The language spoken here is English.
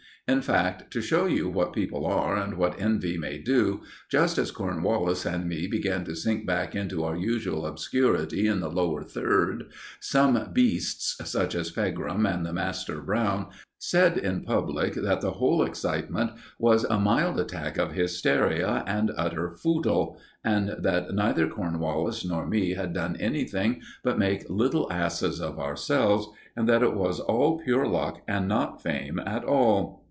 In fact, to show you what people are, and what envy may do, just as Cornwallis and me began to sink back into our usual obscurity in the Lower Third, some beasts, such as Pegram and the master, Brown, said in public that the whole excitement was a mild attack of hysteria and utter footle, and that neither Cornwallis nor me had done anything but make little asses of ourselves, and that it was all pure luck and not fame at all.